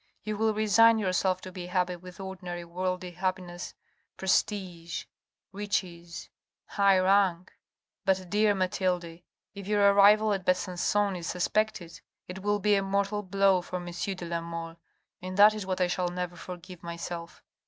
You will resign yourself to be happy with ordinary worldly happiness, prestige, riches, high rank. But, dear Mathilde, if your arrival at Besancon is suspected, it will be a mortal blow for M. de la Mole, and that is what I shall never forgive myself.